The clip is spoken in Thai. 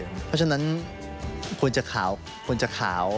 เพราะฉะนั้นควรจะขาวควรจะขาว